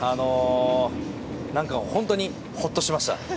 本当にほっとしました。